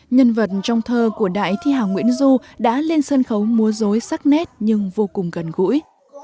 nhân vật trong thơ của đại thế hà nguyễn du đã lên sân khấu mua dối sắc nét nhưng vô cùng gần gũi